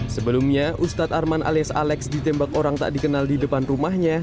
sebelumnya ustadz arman alias alex ditembak orang tak dikenal di depan rumahnya